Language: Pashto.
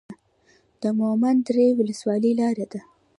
د مومند درې ولسوالۍ لاره ده